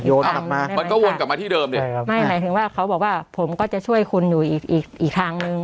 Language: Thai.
กลับมามันก็วนกลับมาที่เดิมดิใช่ครับไม่หมายถึงว่าเขาบอกว่าผมก็จะช่วยคุณอยู่อีกอีกทางนึง